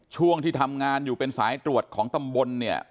ช่วงที่ทำงานอยู่เป็นสายตรวจของตำบลเนี่ย